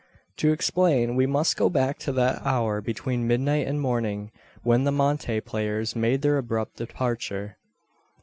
To explain, we must go back to that hour between midnight and morning, when the monte players made their abrupt departure.